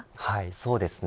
そうですね。